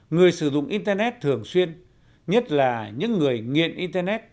người sử dụng internet thường xuyên nhất là những người nghiện internet